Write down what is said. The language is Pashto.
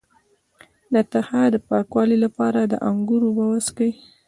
د تخه د پاکوالي لپاره د انګور اوبه وڅښئ